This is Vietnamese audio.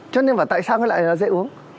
cho nên mà tại sao lại dễ uống